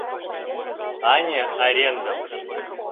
— Ане, арендым...